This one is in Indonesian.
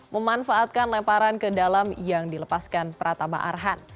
memanfaatkan lemparan ke dalam yang dilepaskan pratama arhan